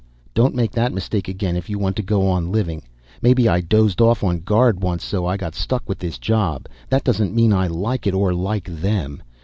Don't make that mistake again if you want to go on living. Maybe I dozed off on guard once so I got stuck with this job. That doesn't mean I like it or like them.